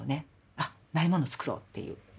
「あっないものつくろう」っていう。